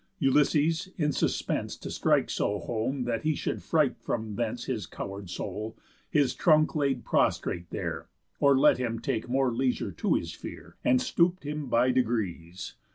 Ulysses, in suspense To strike so home that he should fright from thence His coward soul, his trunk laid prostrate there, Or let him take more leisure to his fear, And stoop him by degrees.